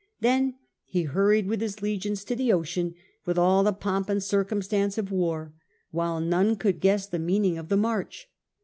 Then he hurried with his legions to the ocean, wdth all the pomp and circumstance of war, while none could guess the meaning of the march.